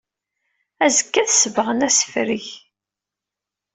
Azekka ad sebɣen asefreg.